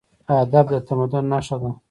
ادب د تمدن نښه ده.